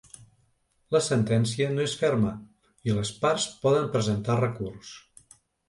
La sentència no és ferma i les parts poden presentar recurs.